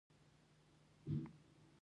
زه به ستا درې هیلې پوره کړم.